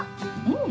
うん。